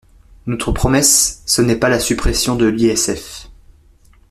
Notre promesse, ce n’est pas la suppression de l’ISF.